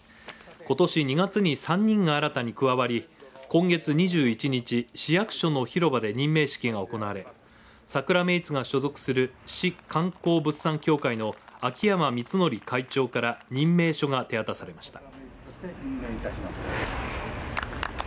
ことし２月に３人が新たに加わり今月２１日、市役所の広場で任命式が行われさくらメイツが所属する市観光物産協会の秋山光伯会長から任命書が手渡されました。